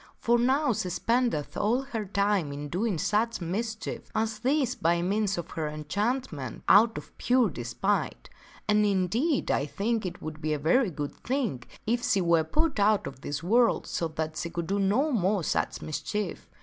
For now she spendeth all of her time in doing such mischief as this by means of her enchantment, out of pure despite. And, indeed, I heareth of * think it would be a very good thing if she were put out of this Vlvien * world so that she could do no more such mischief.